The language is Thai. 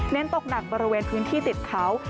ตกหนักบริเวณพื้นที่ติดเขา